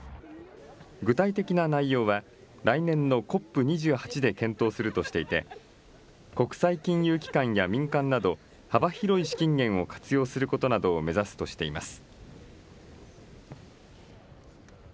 具体的な内容は来年のＣＯＰ２８で検討するとしていて、国際金融機関や民間など、幅広い資金源を活用することなどを目指すとしています。